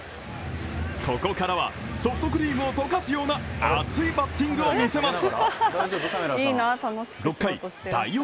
ここからは、ソフトクリームを溶かすような熱いバッティングを見せます